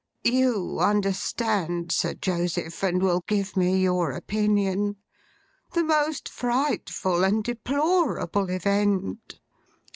You understand Sir Joseph, and will give me your opinion. The most frightful and deplorable event!